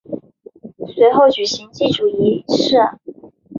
随后举行祭祖仪式。